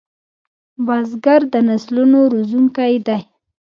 بزګر د نسلونو روزونکی دی